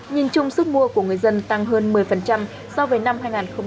nhìn chung sức mua của người dân tăng hơn một mươi so với năm hai nghìn một mươi tám